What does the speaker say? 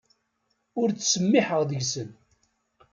Ur ttsemmiḥeɣ deg-sen.